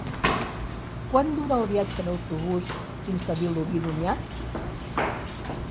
Quant dura el viatge en autobús fins a Vilobí d'Onyar?